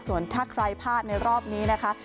ส่วนถ้าใครพลาดในรอบนี้นะคะ